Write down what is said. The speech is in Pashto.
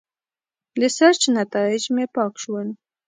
د سرچ نیتایج مې پاک شول.